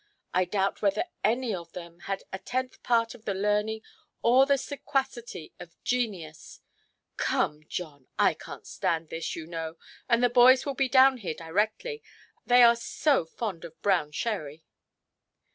I doubt whether any of them had a tenth part of the learning, or the sequacity of genius——" "Come, John, I canʼt stand this, you know; and the boys will be down here directly, they are so fond of brown sherry".